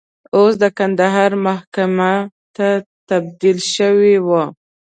اوس کندهار محکمې ته تبدیل شوی و.